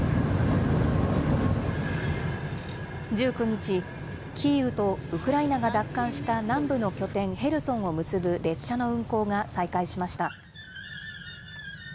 １９日、キーウとウクライナが奪還した南部の拠点、ヘルソンを結ぶ列車の運行が再開しました。